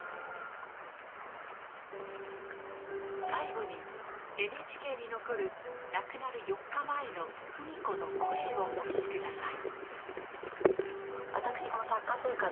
最後にＮＨＫに残る亡くなる４日前の芙美子の声をお聴き下さい。